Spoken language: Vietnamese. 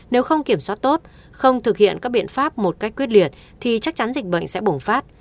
nếu không kiểm soát tốt không thực hiện các biện pháp một cách quyết liệt thì chắc chắn dịch bệnh sẽ bùng phát